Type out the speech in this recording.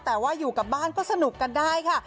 แต่ว่าอยู่กับบ้านก็สนุกกันได้ค่ะ